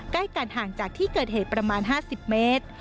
ใกล้กันห่างจากที่เกิดเหตุประมาณ๕๐เมตร